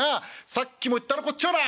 『さっきも言ったろこっちはだ